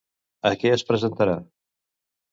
A què es presentarà?